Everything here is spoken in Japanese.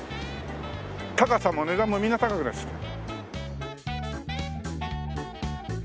高さも値段もみんな高くなっちゃった。